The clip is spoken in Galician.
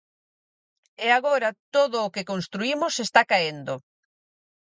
E agora todo o que construímos está caendo.